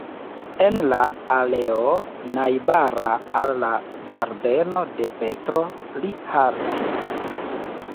En la aleo, najbara al la ĝardeno de Petro, li haltis.